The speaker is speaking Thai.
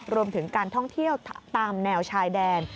รวมถึงการท่องเที่ยวตามแนวชายแดน